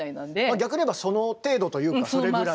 逆に言えばその程度というかそれぐらい。